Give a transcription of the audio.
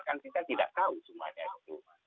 kan kita tidak tahu semuanya itu